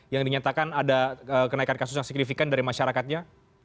yang dinyatakan ada kenaikan kasus yang signifikan dari masyarakatnya